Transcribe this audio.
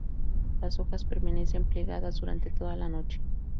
Las hojas permanecen plegadas durante toda la noche.